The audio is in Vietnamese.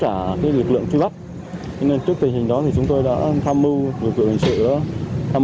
trả lực lượng truy bắt trước tình hình đó thì chúng tôi đã tham mưu lực lượng hình sự đó tham